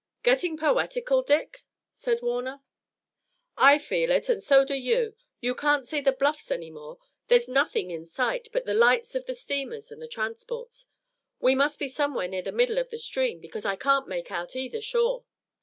"Getting poetical, Dick," said Warner. "I feel it and so do you. You can't see the bluffs any more. There's nothing in sight, but the lights of the steamers and the transports. We must be somewhere near the middle of the stream, because I can't make out either shore."